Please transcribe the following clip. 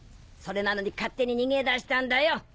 それなのに勝手に逃げ出したんだよ。